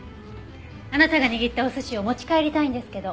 あなたが握ったお寿司を持ち帰りたいんですけど。